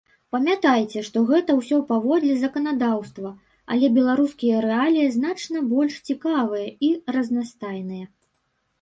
Памятайце, што гэта ўсё паводле заканадаўства, але беларускія рэаліі значна больш цікавыя і разнастайныя.